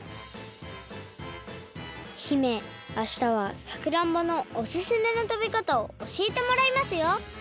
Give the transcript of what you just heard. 姫あしたはさくらんぼのおすすめのたべかたをおしえてもらいますよ！